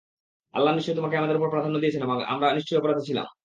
আল্লাহ নিশ্চয় তোমাকে আমাদের উপর প্রাধান্য দিয়েছেন এবং আমরা নিশ্চয়ই অপরাধী ছিলাম।